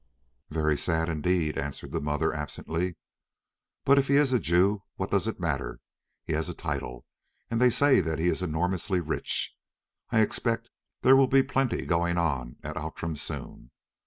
"Very sad indeed," answered the mother absently; "but if he is a Jew, what does it matter? He has a title, and they say that he is enormously rich. I expect there will be plenty going on at Outram soon.